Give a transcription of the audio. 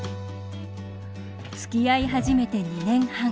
つきあい始めて２年半。